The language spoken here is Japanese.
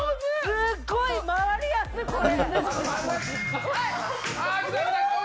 すごい回りやすい、これ。